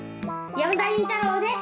山田隼太郎です。